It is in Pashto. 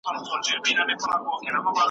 انسانان ډیر ژر هیریږي.